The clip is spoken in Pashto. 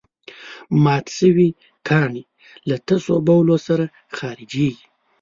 مات شوي کاڼي له تشو بولو سره خارجېږي.